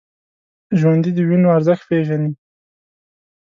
ژوندي د وینو ارزښت پېژني